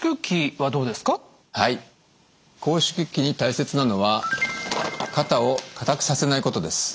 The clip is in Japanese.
はい拘縮期に大切なのは肩を硬くさせないことです。